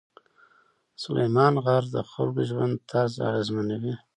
سلیمان غر د خلکو ژوند طرز اغېزمنوي.